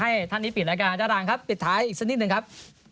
ท่านนี้ปิดรายการด้านหลังครับปิดท้ายอีกสักนิดหนึ่งครับ